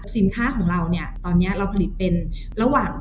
สินค้าของเราเนี่ยตอนนี้เราผลิตเป็นระหว่าง